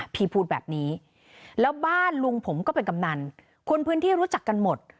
พี่พูดแบบนี้แล้วบ้านลุงผมก็เป็นกำนันคนพื้นที่รู้จักกันหมด